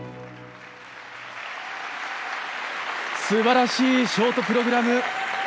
素晴らしいショートプログラム！